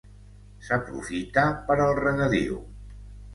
S'aprofita per al regadiu.